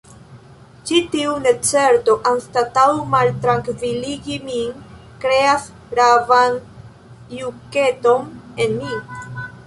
Ĉi tiu necerto, anstataŭ maltrankviligi min, kreas ravan juketon en mi.